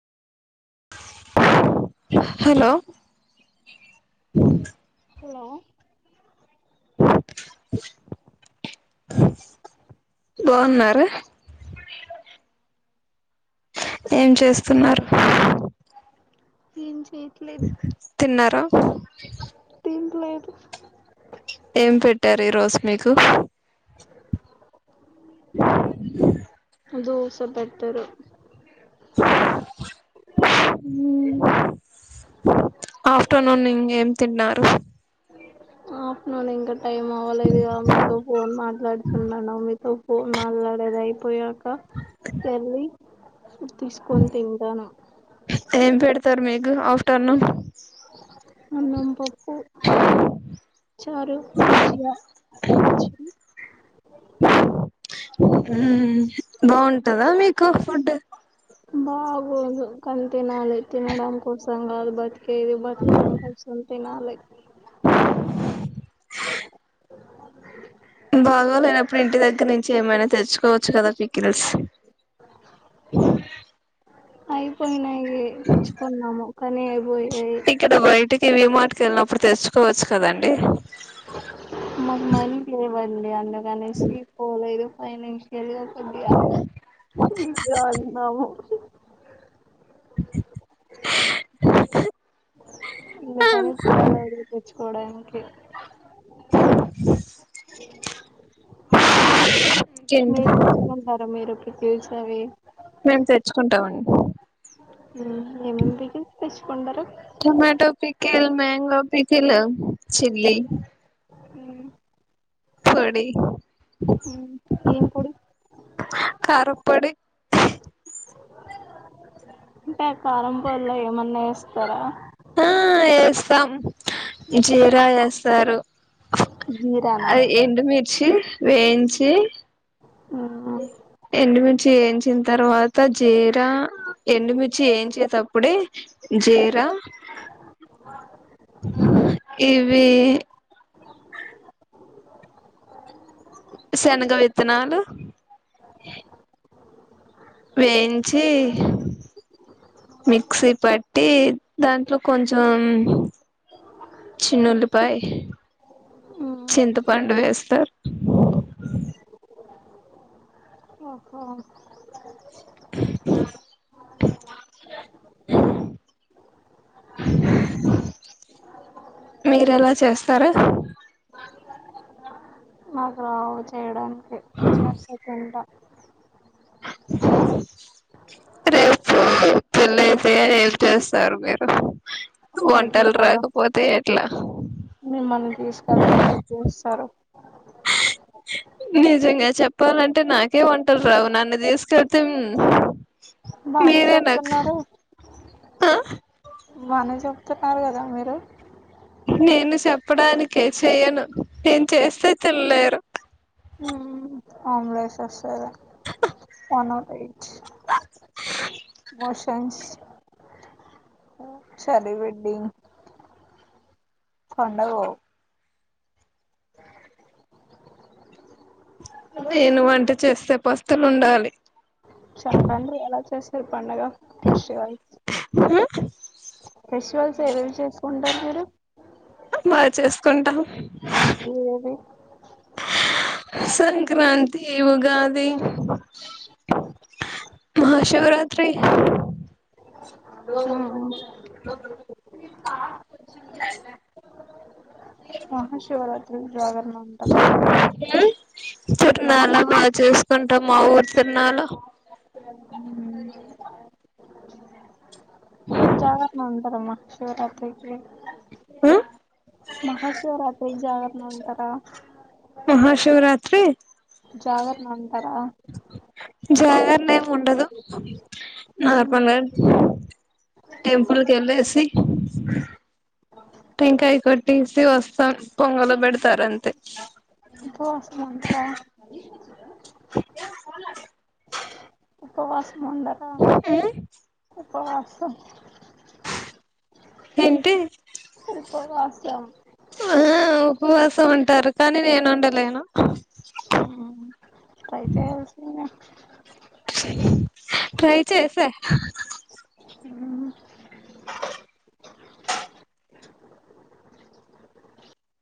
hello hello బాగున్నారా ఏం చేస్తున్నారు ఏం చే తిన్నారా లేదు ఏం పెట్టారు ఈ రోజు మీకు దోస పెట్టరు మ్మ్ ఆఫ్టర్నూన్ ఇంకేం తిన్నారు ఆఫ్టెర్నున్ ఇంక టైం అవ్వలేదుగా మీతో ఫోన్ మాట్లాడుతున్నాను మీతో ఫోన్ మాట్లాడేది అయిపోయాక ఏందీ తీసుకొని తింటాను సర్ [unintelligible] ఆఫ్టర్నూను అన్నం, పప్పు చారు, మజ్జిగ, పచ్చడి బాగుంటదా మీకు ఫుడ్ బాగోదు కానీ తినాలి తినడం కోసం బతి కేవలం బతకడం కోసం తినాలి బాగోలేనప్పుడు ఇంటి దగ్గర నుంచి ఏమైనా తెచ్చుకోవచ్చు కదా పికిల్స్ అయిపోయినాయి తెచ్చుకున్నాము కానీ అయిపోయి ఇక్కడ బయటికి, వి మార్ట్ కి వెళ్ళినప్పుడు తెచ్చుకోవచ్చు కదండి మాకు మనీ లేవ్వండి అందుకనేసి పోలేదు ఫైనాన్షియల్ [unintelligible] అందుకని పోలేదు తెచ్చుకోవడానికి బ మీరు తెచ్చకుంటారు మీరు [unintelligible] మేము తెచ్చుకుంటామండి ఏమేమి పికిల్స్ తెచ్చుకుంటారు టొమాటో పికిల్, మ్యాంగో పికిలు తెచ్చింది మ్మ్ పడి ఏం పొడి కారం పొడి అంటే కారంపళ్ళు ఏమన్నా ఇస్తారా తమ్ జీరా వేస్తారు జీరానా అ ఎండు మిర్చి వేయించి ఆ ఎండుమిర్చి ఏంచిన తర్వాత జీర ఎండుమిర్చి వేయించేటప్పుడే జీరా ఇవి శనగ విత్తనాాలు వేయించి మిక్సీ పట్టి దాంట్లో కొంచం చిన్నఉలిపాయ మ్మ్ చింతపండు వేస్తే ఆ ఓహో మీరెలా చేస్తారు నాకు రావు చేయడానికి చేస్తే తింట రేపు పెళ్లి అయితే చేస్తారు మీరు అక్కడికి వంటలు కదా రాకపోతే ఎట్లా మిమ్మల్ని తీసుకెళ్తా మీరు చేస్తారు నిజంగా చెప్పాలంటే నాకే వంటలు రావు నన్ను తీసుకెళ్తే బానే మీరే నాకు చెప్తున్నారు ఆ బానే చెప్తున్నారు కదా మీరు నేను చెప్పడానికే చెయ్యను నేను చేస్తే తినలేరు అంలేస్ వన్ట్ ఎయిట్ [unintelligible] మోషన్చారి వెల్డింగ్ [unintelligible] కొండ కు పో నేను వంట చేస్తే పస్తులు ఉండాలి సంక్రాంతి ఎలా చేశారు పండుగ ఫెష్టివల్స్ చేసుకుంటారు మీరు బాగా చేసుకుంటాం ఏవేవి సంక్రాంతి ఉగాది మహాశివరాత్రి మహాశివరాత్రి జాగరణ ఉంటార తిరనాలా బాగా చేసుకుంటాం మా ఊరు తిరనాలా జాగరణ ఉంటారమ్మా శివరాత్రికి హు మహాశివరాత్రి జాగరణ ఉంటరా మహాశివరాత్రి జాగరణ ఉంటారా జాగరణ ఏమి ఉండదు నార్మల్ టెంపుల్ కి వెళ్ళేసి టెంకాయ కొట్టేసి వస్తారు పొంగలు పెడతారంతే ఉపవాసం ఉంటరా ఉపవాసం ఉండరా ఉపవాసం ఏంటి ఉపవాసం ఆ ఉపవాసం ఉంటారు కానీ నేను ఉండలేను ట్రై చేయాల్సింది ట్రై చేశా